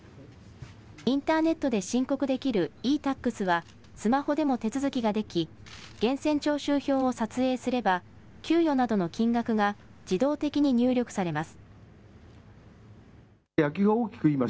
インターネットで申告できるｅ−Ｔａｘはスマホでも手続きができ源泉徴収票を撮影すれば給与などの金額が自動的に入力されます。